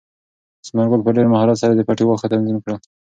ثمر ګل په ډېر مهارت سره د پټي واښه تنظیم کړل.